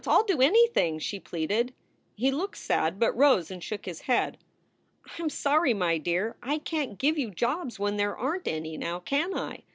I ll do anything," she pleaded. He looked sad, but rose and shook his head. "I m sorry, my dear. I can t give you jobs when there aren t any, now can I?